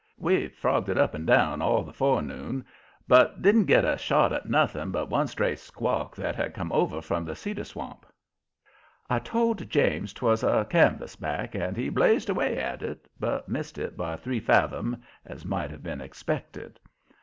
We frogged it up and down all the forenoon, but didn't git a shot at nothing but one stray "squawk" that had come over from the Cedar Swamp. I told James 'twas a canvasback, and he blazed away at it, but missed it by three fathom, as might have been expected.